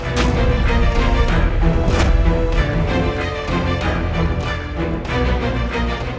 kian santang masih hidup